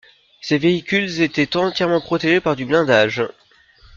Ces véhicules étaient entièrement protégés par du blindage.